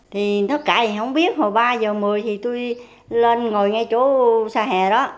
thì nó cậy không biết hồi ba giờ một mươi thì tôi lên ngồi ngay chỗ xa hè đó